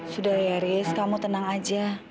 sudah ya haris kamu tenang saja